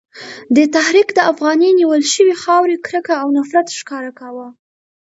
دې تحریک د افغاني نیول شوې خاورې کرکه او نفرت ښکاره کاوه.